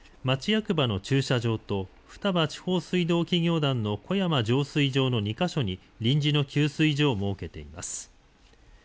町役場の駐車場と双葉地方水道企業団の小山浄水場の２か所に臨時の給水所を設けています。